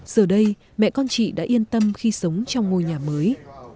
giờ đây mẹ con chị đã yên tâm khi sống trong ngôi nhà mới